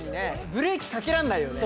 ブレーキかけらんないよね。